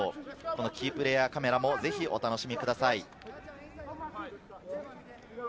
キープレーヤーカメラもぜひお楽しみください。